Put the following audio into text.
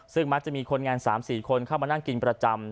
ซึ่งมักจะมีคนงาน๓๔คนเข้ามานั่งกินประจำ